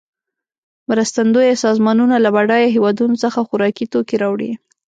مرستندویه سازمانونه له بډایه هېوادونو څخه خوارکي توکې راوړي.